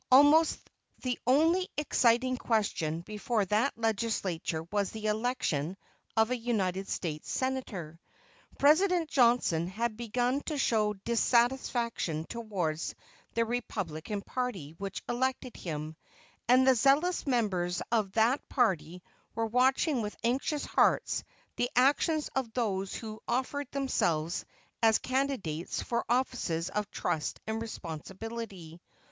Almost the only exciting question before that legislature was the election of an United States Senator. President Johnson had begun to show disaffection towards the Republican party which elected him, and the zealous members of that party were watching with anxious hearts the actions of those who offered themselves as candidates for offices of trust and responsibility.